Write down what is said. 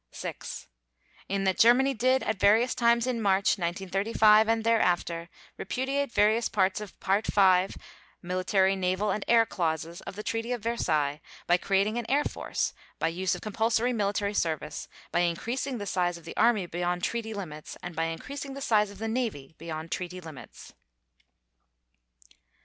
(6) In that Germany did, at various times in March 1935 and thereafter, repudiate various parts of Part V, Military, Naval, and Air Clauses of the Treaty of Versailles, by creating an air force, by use of compulsory military service, by increasing the size of the army beyond treaty limits, and by increasing the size of the navy beyond treaty limits.